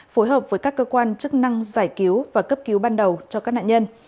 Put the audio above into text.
phối hợp với các cơ quan chức năng giải cứu và cấp cứu ban đầu cho các nạn nhân